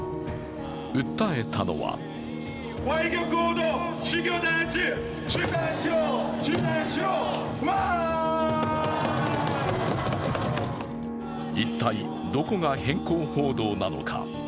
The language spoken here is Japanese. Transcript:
訴えたのは一体どこが偏向報道なのか。